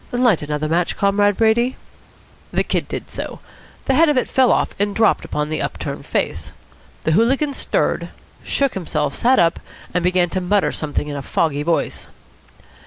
Light another match, Comrade Brady." The Kid did so. The head of it fell off and dropped upon the up turned face. The hooligan stirred, shook himself, sat up, and began to mutter something in a foggy voice.